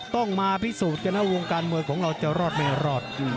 ต้องมาพิสูจน์กันนะวงการมวยของเราจะรอดไม่รอด